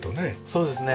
そうですね。